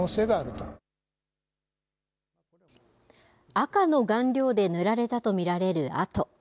赤の顔料で塗られたと見られる跡。